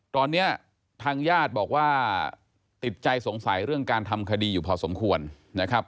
ตอนนี้ทางญาติบอกว่าติดใจสงสัยเรื่องการทำคดีอยู่พอสมควรนะครับ